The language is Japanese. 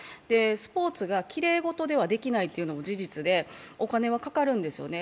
スポーツがきれい事ではできないというのは事実でお金はかかるんですよね。